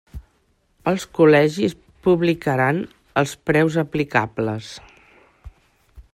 Els col·legis publicaran els preus aplicables.